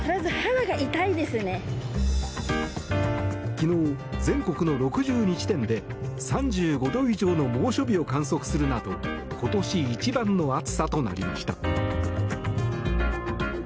昨日、全国の６２地点で３５度以上の猛暑日を観測するなど今年一番の暑さとなりました。